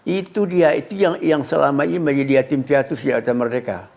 itu dia itu yang selama ini menjadi atim teatru siadat merdeka